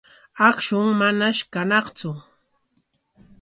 Akshun manash kañaqtsu.